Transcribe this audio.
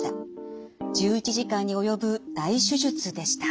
１１時間に及ぶ大手術でした。